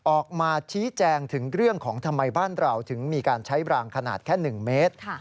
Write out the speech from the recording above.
ออกมาชี้แจงถึงเรื่องของทำไมบ้านเราถึงมีการใช้บรางขนาดแค่๑เมตร